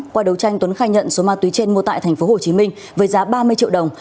qua đấu tranh tuấn khai nhận số ma túy trên mua tại tp hcm với giá ba mươi triệu đồng